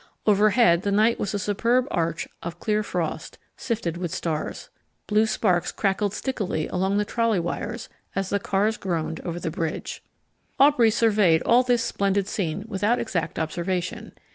Overhead the night was a superb arch of clear frost, sifted with stars. Blue sparks crackled stickily along the trolley wires as the cars groaned over the bridge. Aubrey surveyed all this splendid scene without exact observation.